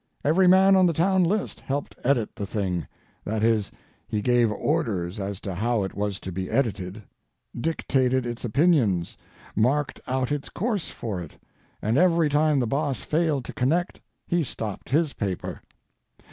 Every man on the town list helped edit the thing—that is, he gave orders as to how it was to be edited; dictated its opinions, marked out its course for it, and every time the boss failed to connect he stopped his paper.